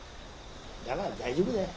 だから大丈夫だよ。